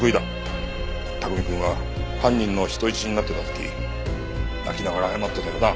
卓海くんは犯人の人質になっていた時泣きながら謝ってたよな。